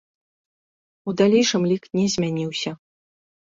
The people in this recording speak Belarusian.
У далейшым лік не змяніўся.